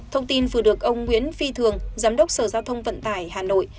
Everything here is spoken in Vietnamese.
thông tin vừa được ông nguyễn phi thường giám đốc sở giao thông vận tải hà nội